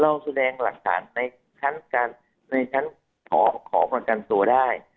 แสดงหลักฐานในชั้นขอประกันตัวได้